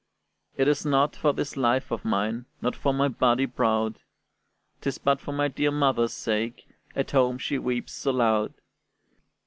"It is not for this life of mine, Nor for my body proud; 'Tis but for my dear mother's sake: At home she weeps aloud."